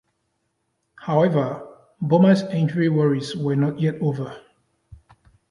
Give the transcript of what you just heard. However, Bouma's injury worries were not yet over.